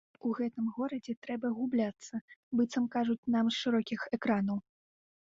У гэтым горадзе трэба губляцца, быццам кажуць нам з шырокіх экранаў.